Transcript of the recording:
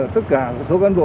tất cả số cán bộ